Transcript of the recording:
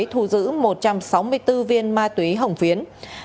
thu giữ một trăm sáu mươi bốn viên ma túy hồng phiến